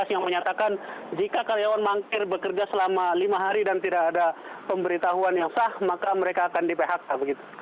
yang menyatakan jika karyawan mangkir bekerja selama lima hari dan tidak ada pemberitahuan yang sah maka mereka akan di phk begitu